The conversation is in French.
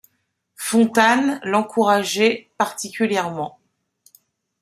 Fontanes l'encourager particulièrement.